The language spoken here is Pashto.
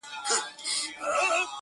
• خبر دي راووړ د حریفانو -